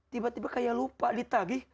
tiba tiba kayak lupa ditagih